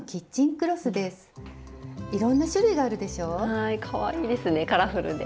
はいかわいいですねカラフルで。